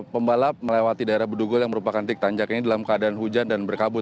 pembalap melewati daerah bedugul yang merupakan titik tanjak ini dalam keadaan hujan dan berkabut